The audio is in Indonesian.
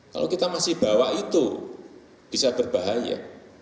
kalau kita masih bawa itu bisa berbahaya